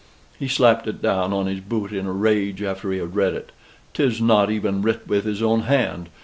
He slapped it down on his boot in a rage after he had read it. "'Tis not even writ with his own hand.